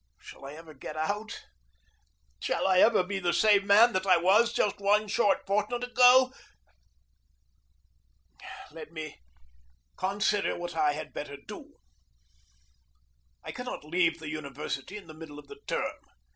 Shall I ever get it out? Shall I ever be the same man that I was just one short fortnight ago? Let me consider what I had better do. I cannot leave the university in the middle of the term.